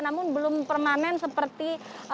namun belum permanen seperti